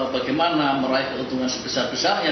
bagaimana meraih keuntungan sebesar besarnya